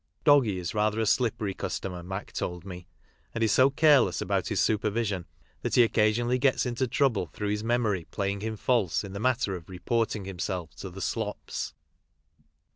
Doggy is rather a slippery customer, Mac told me, and is so careless about his supervision that he occasionally gets into trouble through his memory playing him false in the matter of reporting himself to the " slops."